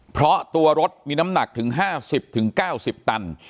เพราะตัวรถมีน้ำหนักถึง๕๐๙๐ตัน